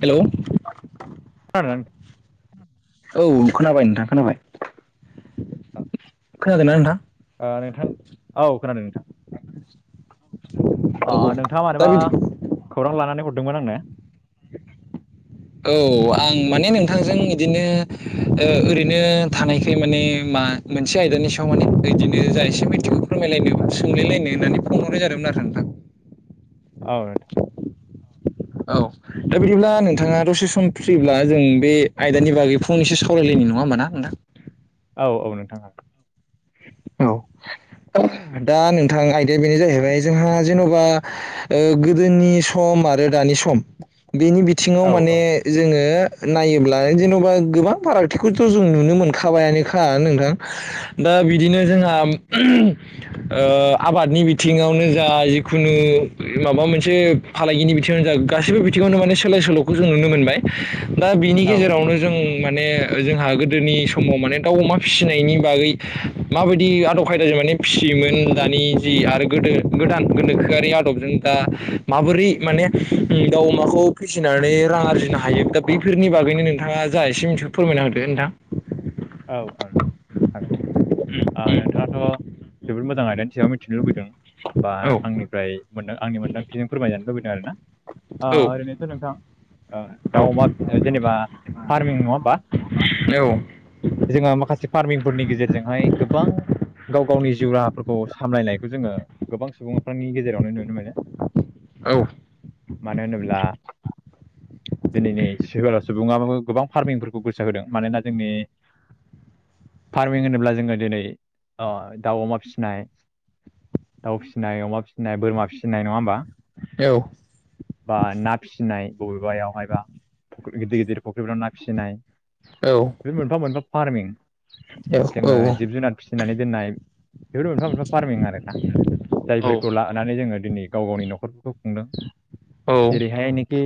Hello [inaudible] नादों [inaudible] औ खोनाबाय नोंथां खोनाबाय औ खोनादोंना नोंथां नोंथां औ खोनादों नोंथां औ औ नोंथाङा दा मानोबा बिदि खौरां लानानै हरदोंमोन आंनो औ आं माने नोंथांजों बिदिनो ओरैनो थानायखाय माने मा मोनसे आयदानि सायाव माने बिदिनो जा एसे मिथिगौ फोरमायलायनो सोंलायलायनो होननानै फन हरनाय जादोंमोन आरो नोंथां [unintelligible] औ नोंथा औ दा बिदिब्ला नोंथाङा दसे सम फ्रिब्ला जों बे आयदानि बागै फंनैसो सावरायलायनो नंङा होनबा ना नोंथां औ-औ नोंथां औ औ दा नोंथां आयदाया बेनो जाहैबाय जोंहा जेन'बा गोदोनि सम आरो दानि सम बेनि बिथिङाव औ औ माने जोङो नायोब्ला जेन'बा गोबां फारागथिखौथ' जों नुनो मोनखाबायानोखा नोंथां दा बिदिनो जोंहा आबादनि बिथिङावनो जा जिखुनु माबा मोनसे फालांगिनि बिथिङावनो जा गासैबो बिथिङावनो माने सोलाय सोल'खौ जों नुनो मोनबाय। दा बिनि औ गेजेरावनो जों माने जोंहा गोदोनि समाव माने दाउ अमा फिसिनायनि बागै माबायदि आदब खायदाजों माने फिसियोमोन दानि जि आरो गोदो-गोदान गोनोखोआरि आदबजों दा माबोरै माने दाउ अमाखौ फिसिनानै रां आरजिनो हायो दा बेफोरनि बागै गैनो नोंथाङा जा एसे मिथिगौ फोरमायना होदो नोंथां। औ औ हागोन ओ नोंथाङाथ' जोबोद मोजां आयदानि सायाव मिथिनो लुबैदों बा औ आंनिफ्राय मोनदा आंनि मोन्दांथिजों फोरमायजानो लुबैदों आरो ना ओ औ ओरैनोथ' नोंथां ओ दाउ अमा जेनेबा फार्मिं नङा होनबा औ जोङो माखासे फार्मिंफोरनि गेजेरजोंहाय गोबां गाव गावनि जिउ राहाफोरखौ सामलायनायखौ जोङो गोबां सुबुंफोरनि गेजेरावनो नुनो मोनो। औ मानो होनोब्ला दिनैनि [unintelligible] सुबुङाबो गोबां फार्मिंफोरखौ गोसो होदों मानोना जोंनि फार्मिं होनोब्ला जोङो दिनै अ दाउ अमा फिसिनाय दाउ फिसिनाय अमा फिसिनाय बोरमा फिसिनाय नङा होमबा। बा ना फिसिनाय बबेबायाव हायबा फुख्रि गिदिर गिदिर फुख्रिफोराव ना फिसिनाय औ बेफोर मोनफा मोनफा फार्मिं औ जोङो जिब जुनार फिसिनानै दोननाय बेफोर मोनफा मोनफा फार्मिं आरोना। जायफोरखौ लानानै जोङो दिनै गाव गावनि न'खरफोरखौ खुंदों। औ जेरैहायनिखि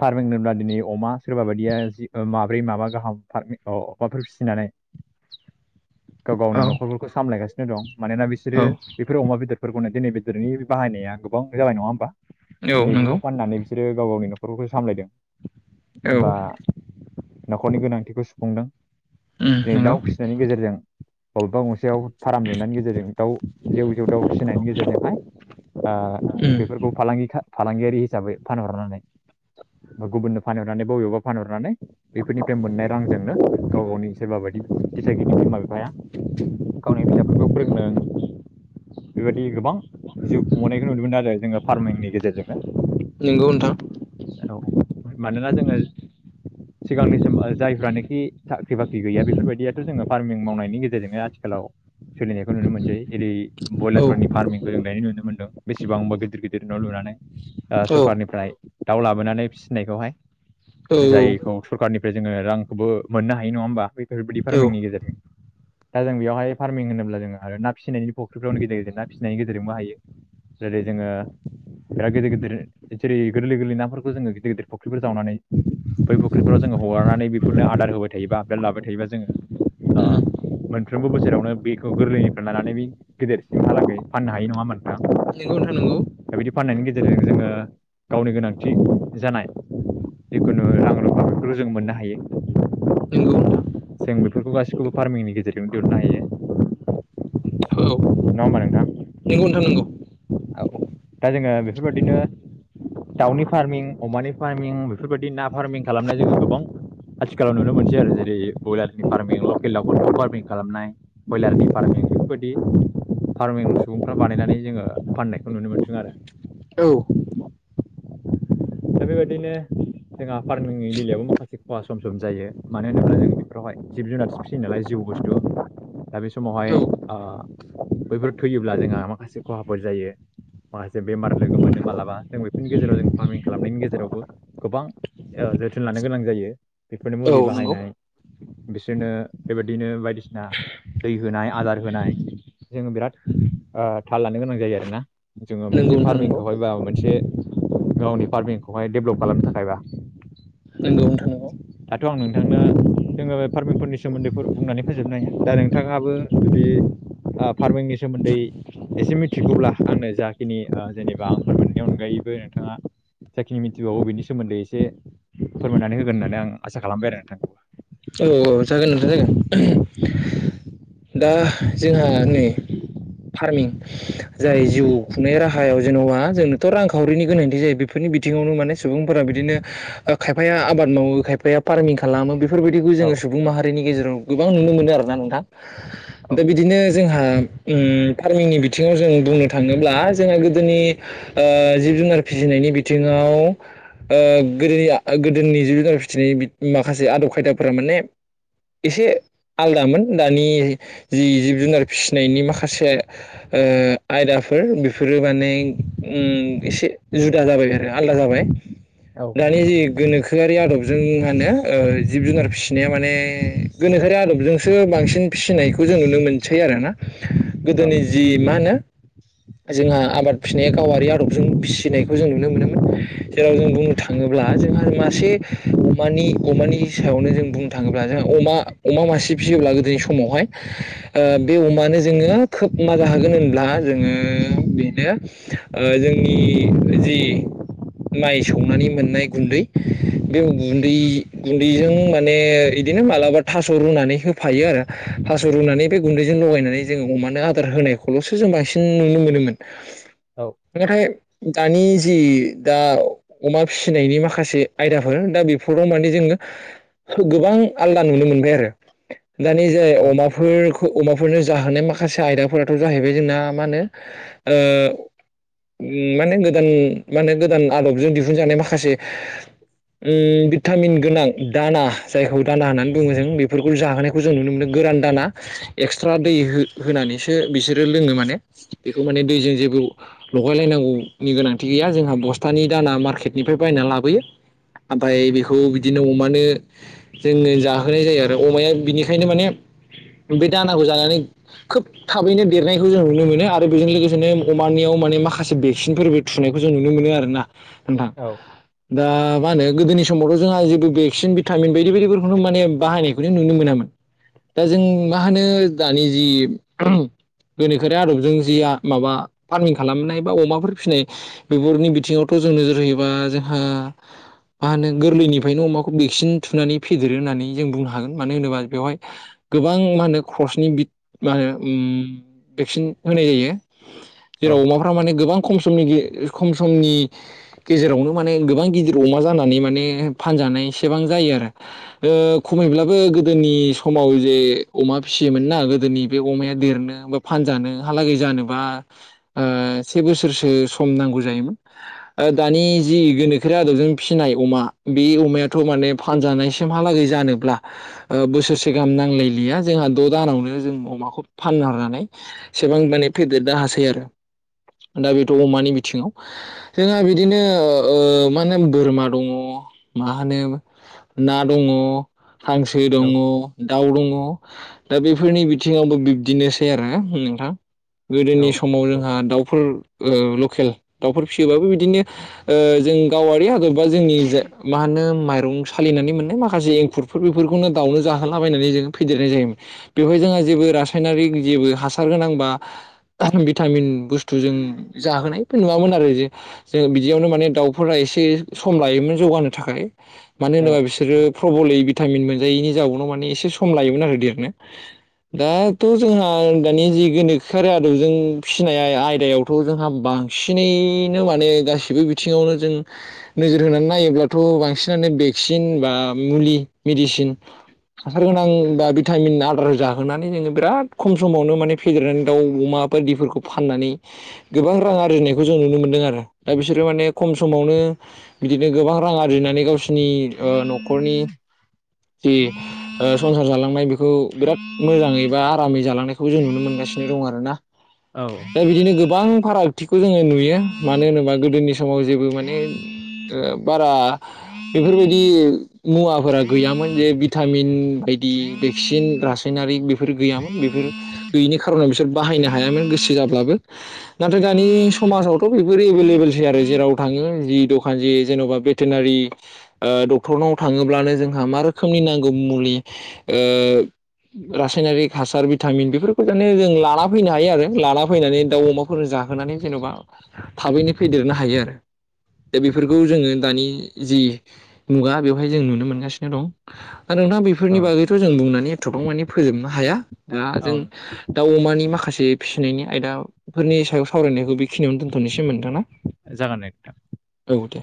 फार्मिं होनोब्ला दिनै अमा सोरबा बायदिया जि माब्रै माबा गाहाम फारमिं अ माफोर फिसिनानै गाव औ गावनि न'खरफोरखौ सामलायगासिनो दं मानोना औ बिसोरो बेफोर अमा बेदरफोरखौनो दिनै बेदरनि बाहायनाया गोबां जाबाय नङा होमबा औ दिनै नंगौ बेफोरखौ फाननानै बिसोरो गाव गावनि न' न'खरफोरखौ सामलायदों औ बा न'खरनि गोनांथिखौ सुफुंदों। उम दिनै नंगौ दाउ फिसिनायनि गेजेरजों अबेबा गंसेयाव फाराम लुनायनि गेजेरजों दाउ जेउ जेउ दाउ फिसिनायनि गेजेरजोंहाय ओ उम बेफोरखौ फालांगि फालांगियारि हिसाबै फानहरनानै बा गुबुननो फानहरनानै बबेबा फानहरनानै बैफोरनिफ्राय मोननाय रांजोंनो गाव गावनि सोरबा बायदि दिथागिरि बिमा बिफाया गावनि फिसाफोरखौ फोरोंदों बेबायदि गोबां जिउ खुंनायखौ नुनो मोनदों आरो जोङो फार्मिंनि गेजेरजोंनो नंगौ नोंथां औ मानोना जोङो सिगांनि सम जायफ्रानोखि साख्रि बाख्रि गैया बेफोरबायदियाथ' जोङो फार्मिं मावनायनि गेजेरजोंनो आथिखालाव सोलिनायखौ नुनो मोनसै इदि औ ब्रयलारफोरनि फार्मिंखौ जों दायो नुनो मोनदों बेसेबांबा गिदिर गिदिर न' लुनानै ओ औ सरखारनिफ्राय दाउ लाबोनानै फिसिनायखौहाय औ उम जायखौ सरखारनि ओमफ्राय जोङो रांखौबो मोननो हायो नङा होमा बेफोरबायदि फार्मिंनि नंगौ गेजेरजों। दा जों बेयावहाय फार्मिं होनोब्ला जोङो आरो ना फिसिनायनि फुख्रिफोरावनि गेदेर गेदेर ना फिसिनायनि गेजेरजोंबो हायो। जेरै जोङो बिराद गिदिर गिदिर जेरै गोरलै गोरलै नाफोरखौ जोङो गिदिर गिदिर फुख्रिफोर जावनानै बै फुख्रिफोराव जोङो हगारनानै बेफोरनो आदार होबाय थायोबा आबदाल लाबाय थायोबा जोङो ओ मोनफ्रोमबो बोसोरावनो बेखौ गोरलैनिफ्राय लानानै बे गेदेरसिमहालागै फाननो हायो नङा ओमबा नोंथां? नोंगौ नोंथां। नंगौ दा बिदि फाननायनि गेजेरजों जोङो गावनि गोनांथि जानाय जिखुनु रां रुफा बेफोरखौ जोंङो मोननो हायो। नोंथां औ नंगौ नोंथां नंगौ जों बेफोरखौ गासिखौबो फार्मिंनि गेजेरजोंनो दिहुननो हायो। औ नंगौ नंगौ नङा होमबा नोंथां? नोंथां नंगौ औ दा जोङो बेफोरबादिनो दाउनि फार्मिं अमानि फार्मिं बेफोरबायदि ना फार्मिं खालामनाय जोङो गोबां आथि थिखालाव नुनो मोनसै आरो जेरै बयलारनि फार्मिं लकेल दावफोरखौ फार्मिं खालामनाय बयलारनि फार्मिं बेफोरबाय बे फार्मिं सुबुंफ्रा बानायनानै जोङो फाननायखौ नुनो मोनथों आरो। औ। दा बेबायदिनो जोंहा फार्मंनि बेलायावबो माखासे खहा सम जम जायो मानो होनोब्ला जों बेफोरावहाय जिब जुनार फिसियो नालाय जिउ बुस्थु दा बे समावहाय ओ बैफोर थैयोब्ला जोंहा माखासे खहाफोर जायो। माखासे बेमार लोगो मोनो मालाबा जों बेफोरनि गेजेराव जों फार्मिं खालामनायनि गेजेरावबो गोबां ओ जोथोन लानो गोनां जायो। बेफोरनि मुलि बाहायनाय बिसोरनो बेबायदिनो बायदिसिना दै होनाय आदार होनाय जोङो बिराद ओ थाल लानो गोनां जायो आरो ना जोङो मोनसे फार्मिंखौहायबा मोनसे गावनि फार्मिंखौहाय डेभलप खालामनो थाखायबा । नोंगौ नोंथां। नंगौ दाथ' आं नोंथांनो जोङो फार्मिंफोरनि सोमोन्दैफोर बुंनानै फोजोबनो हाया। दा नोंथाङाबो जुदि ओ फार्मिंनि सोमोन्दै एसे मिथिगौब्ला आंनो जाखिनि ओ जेनेबा आं फोरमायनायनि अनगायैबो नोंथाङा जाखिनि मिनथिबावो बिनि सोमोन्दै एसे फोरमायनानै होगोन होननानै आं आसा खालामबाय आरो नोंथां। औ औ जागोन नोंथां जागोन। दा जोंहा नै फार्मिं जाय जिउ खुंनाय राहायाव जेन'बा जोंनोथ' रांखावरिनि गोनांथि जायो बेफोरनि बिथाङावनो माने सुबुंफोरा बिदिनो खायफाया आबाद मावो खायफाया फार्मं खालामो बेफ बेफोरबायदिखौ औ जोङो सुबुं माहारिनि गेजेराव गोबां नुनो मोनो आरोना नोंथां। औ दा बिदिनो जोंहा ओम फार्मिंनि बिथिङाव जों बुंनो थाङोब्ला जोङो गोदोनि ओ जिब जुनार फिसि नायनि बिथिङाव ओ गोरलै आ गोदोनि जिब जुनार फिसिनायनि माखासे आदब खायदाफोरा माने एसे आलदामोन दानि जि जिब जुनार फिसिनायनि माखासे ओ आयदाफोर बेफोरो माने ओम एसे जुदा जाबाय आरो आलदा जाबाय। औ दानि जि गोनोखोआरि आदबजों मा होनो जिब जुनार फिसिनाया माने गोनोखोआरि आदबजोंसो बांसिन फिसिनायखौ जों नुनो मोनसै आरो ना। औ गोदोनि जि मा होनो जोंहा आबाद फिनाया गावारि आदबजों फिसिनायखौ जों नुनो मोनोमोन। जेराव जों बुंनो थाङोब्ला दा जोंहा मासे अमानि-अमानि सायावनो जों बुंनो थाङोब्ला जों अमा-अमा मासे फिसियोब्ला गोदोनि समावहाय ओ बे अमानो जोङो खोब मा जाहोगोन होनब्ला जोङो बेनो ओ जोंनि जि माइ सौनानै मोननाय गुन्दै बे गुन्दै गुन्दैजों माने इदिनो मालाबा थस' रुनानै होफायो आरो थस' रुनानै बे गुनदैजोंनो लगायनानै जोङो अमानो आदार होनायखौल'सो जों बांसिन नुनो मोनोमोन औ । नाथाय दानि । जि दा अमा फिसिनायनि माखासे आयदाफोर दा बेफोराव माने जोङो । गोबां आलदा नुनो मोनबाय आरो दानि जाय औ अमाफोरखौ । खौ अमाफोरनो जाहोनाय माखासे आयदाफोराथ' जाहैबाय जोंना मा होनो ओ । माने गोदान माने गोदान आदबजों दिहुनजानाय माखासे । ओम भिटामिन गोनां । दाना जायखौ दाना होननानै बुङो जों बेफोरखौ जाहोनायखौ जों नुनो मोनो गोरान दाना एक्सट्रा दै । हो होनानैसो बिसोरो लोङो माने बेखौ माने दैजों जेबो लगायलायनांगौनि । गोनांथि गैया जोंहा बस्थानि दाना मार्केटनिफ्राय बायनानै लाबोयो ओमफाय बेखौ बिदिनो अमा । नो जोङो जाहोनाय जायो आरो अमाया बिनिखायनो माने । बे दानाखौ जानानै खोब थाबैनो देरनायखौ जों नुनो मोनो आरो बेजों लोगोसेनो अमानियाव । माने माखासे भेक्सिनफोरबो थुनायखौ जों नुनो मोनो आरोना । नोंथां दा मा होनो गोदोनि समावथ' जोंहा जेबो बे । सिन भिटामिन बायदि बायदिफोरखौनो माने बाहायनायखौनो नुनो मोनामोन । दा जों मा होनो दानि जि । गोनोखोरि आदबजों जिआ माबा फार्मिं खालामनाय बा अमाफोर फिसिनाय बेफोरनि बिथिङावथ' । खौ जों नोजोर होयोबा जोंहा मा होनो गोरलैनिफ्रायनो अमाखौ । खौ भेक्सिन थुनानै फेदेरो होननानै जों बुंनो हागोन मानो होनोबा बेवहाय गोबां मा होनो खर्सनि बि । माहोन उम भेस्किन होनाय जायो औ जेराव अमाफ्रा माने गोबां खम । समनि गे खम समनि गेजेरावनो माने गोबां गिदिर अमा जानानै माने फानजानाय । गोबां जायो आरो ओ खमायब्लाबो गोदोनि समाव जे अमा फिसियोमोन ना गोदो । दोनि बे अमाया देरनो बा फानजानो हालागै जानोबा आ से बोसोरसो सम । खम नांगौ जायोमोन ओ दानि जि गोनोखोआरि आदबजों फिसिनाय अमा बे अमाया । थ माने फानजानायसिमहालागै जानोब्ला ओ बोसोरसे गाहाम नांलायलिया जोंहा द' दानावनो । ओ जों अमाखौ फानहरनानै सेबां माने फेदेरनो हासै आरो । दा बेथ' अमानि बिथिङाव जोंहा बिदिनो ओ मा होनो बोरमा दङ । मा । होनो ना दङ हांसो औ। दङ दाउ दङ । दा बेफोरनि बिथिङावबो बिब्दिनोसै आरो ना नोंथां । गोदोनि औ समाव जोंहा दाउफोर । ओ लकेल दाउफोर फिसियोबाबो बिदिनो ओ जों गावारि हादर बा जोंनि जे मा होनो । माइरं सालिनानै मोननाय माखासे एंखुरफोर बेफोरखौनो दाउनो जाहोलाबायनानै जों फेदेरनाय जायोमोन बेहाय । बे जोंहा जेबो रासायनारिक जेबो हासार गोनांबा । भिटामिन बुस्थुजों जाहोनाय फाय नुवामोन आरो इदि जों बिदियावनो माने दाउफोरा । एसे सम लायोमोन जौगानो थाखाय मानो होनोबा औ बिसोरो प्रबलै । भिटामिन मोनजायैनि जाउनाव माने एसे सम लायोमोन आरो देरनो । दाथ' जोंहा दानि जि गोनोखोआरि आदबजों फिसिनाय आय आयदायावथ' जोंहा बां । बांसिनैनो माने गासैबो बिथिङावनो जों नोजोर होनानै नायोब्लाथ' बांसिन । थानो भेक्सिन बा मुलि मेडिसिन । हासार गोनां बा भिटामिन आदार जाहोनानै जोङो बिराद खम समावनो माने फेदेरनानै दाउ अमा । मा बायफोरखौ फाननानै गोबां रां आरजिनायखौ जों नुनो मोनदों आरो दा बिसोरो माने खम समावनो । ओ बिदिनो गोबां रां आरजिनानै । सिनि ओ न'खरनि जि । ओ संसार जालांनाय बेखौ बिराद मोजाङै बा आरामै जालांनायखौ जों नुनो मोनगासिनो दङ आरोना औ । दा बिदिनो गोबां फाराग । खाथिखौ जोङो नुयो, मानो होनोबा गोदोनि समाव जेबो माने बारा बेफोरबायदि मुवाफोरा गैयामोन, जे भिटामिन बायदि भेक्सिन रासायनारि फोरा गैयामोन बेफोर गैयिनि खारनाव बिसोर बाहायनो हायामोन गोसो जाब्लाबो। नाथाय दानि जों समाजावथ' बेफोर एभेलेबेलसै आरो जेराव थाङो जि दखान जि जेन'बा भेटेनारि ओ डक्टरनाव थाङोब्लानो जोंहा मा रोखोमनि नांगौ मुलि ओ रासायनारिक हासार भिटामिन बेफोरखौ माने जों लाना फैनो हायो आरो, लाना फैनानै दाउ अमाफोरजों जा होनानै जेन'बा थाबैनो फेदेरनो हायो आरो। दा बेफोरखौ जोङो दानि जि मुगा बेवहाय जों नुनो मोनगासिनो दं। आरो नोंथां औ बेफोरनि बागैथ' जों बुंनानै थबां मानि फोजोबनो हाया। दा जों औ दाउ अमानि माखा खासे फिसिनायनि आयदाफोरनि सायाव सावरायनायखौ बेखिनियावनो दोनथ'नोसै होमबा नोंथां ना जागोन दे नोंथां। औ दे।